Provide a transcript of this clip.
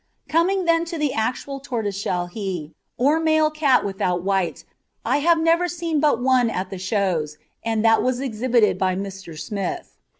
Coming then to the actual tortoiseshell he, or male cat without white, I have never seen but one at the Shows, and that was exhibited by Mr. Smith.